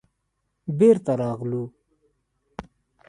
بېرته راغلو.